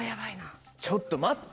ちょっと待って。